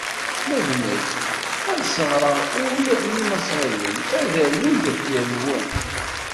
Ma d nekk, ad sseɣreɣ ul n Imaṣriyen, ad d-rnun deffir-nwen.